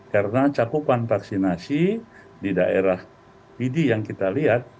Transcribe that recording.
karena cakupan vaksinasi di daerah pd yang kita lihat